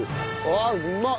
ああうまっ！